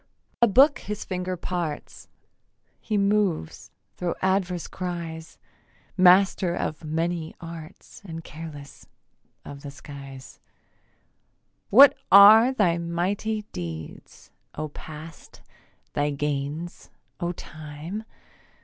A book his finger parts; He moves thro' adverse cries; Master of many arts And careless of the skies. What are thy mighty deeds, O Past, thy gains, O Time?